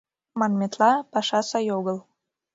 Манметла, паша сай огыл...